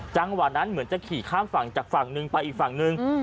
จังหวะนั้นเหมือนจะขี่ข้ามฝั่งจากฝั่งนึงไปอีกฝั่งนึง